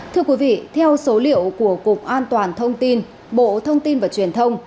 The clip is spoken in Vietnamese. thưa quý vị theo số liệu của cục an toàn thông tin bộ thông tin và truyền thông